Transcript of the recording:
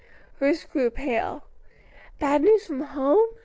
Hers grew pale. "Bad news from home?"